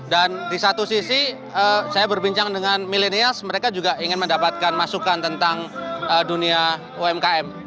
dan di satu sisi saya berbincang dengan millennials mereka juga ingin mendapatkan masukan tentang dunia umkm